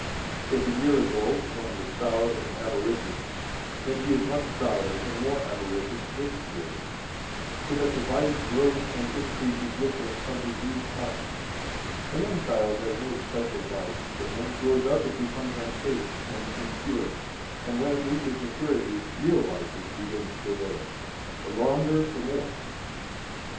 70 If a year ago one was proud and avaricious, then he is much prouder and more avaricious this year, so that the vice grows and increases with him from his youth up. A young child has no special vice; but when it grows up, it becomes unchaste and impure, and when it reaches maturity, real vices begin to prevail the longer, the more.